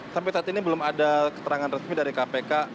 sampai saat ini belum ada keterangan resmi dari kpk